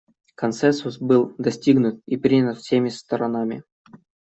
Консенсус был достигнут и принят всеми сторонами.